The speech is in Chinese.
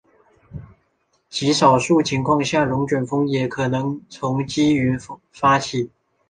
极少数情况下龙卷风也可能从积云发起。